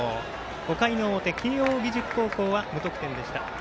５回の表、慶応義塾高校は無得点でした。